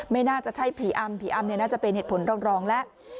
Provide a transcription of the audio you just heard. ไม่น่าจะใช่ผีอำผีอำเนี่ยน่าจะเป็นเหตุผลรองแล้ว